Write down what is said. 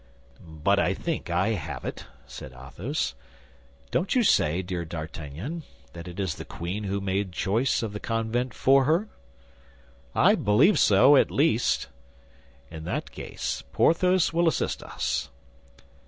"But I think I have it," said Athos. "Don't you say, dear D'Artagnan, that it is the queen who has made choice of the convent for her?" "I believe so, at least." "In that case Porthos will assist us."